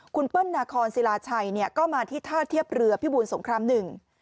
คุณเปิ้ลนาคอนศิลาชัยเนี่ยก็มาที่ท่าเทียบเรือพิบูลสงครามหนึ่ง